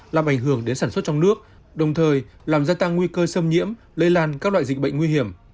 làm ảnh hưởng đến sản xuất trong nước đồng thời làm gia tăng nguy cơ xâm nhiễm lây lan các loại dịch bệnh nguy hiểm